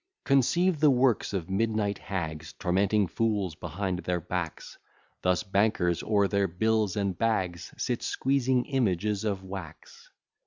Conceive the works of midnight hags, Tormenting fools behind their backs: Thus bankers, o'er their bills and bags, Sit squeezing images of wax.